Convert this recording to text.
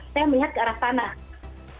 saya melihat negara negara produsen oil dengan china